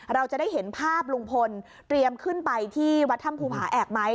เราจะได้เห็นภาพลุงพลเตรียมขึ้นไปที่วัดถ้ำภูผาแอกไหม